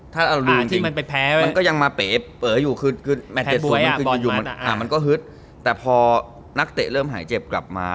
ถ้าเราลุงจริงมันก็ยังมาเป๋เป๋อยู่ขึ้นมันก็ฮึดแต่พอนักเตะเริ่มหายเจ็บกลับมา